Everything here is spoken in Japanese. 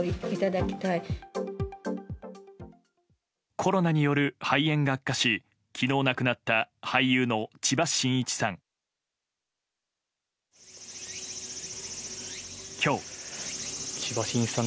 コロナによる肺炎が悪化し昨日亡くなった俳優の千葉真一さん。